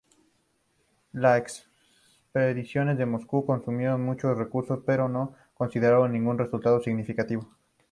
Las expediciones a Moscú consumieron muchos recursos, pero no consiguieron ningún resultado significativo.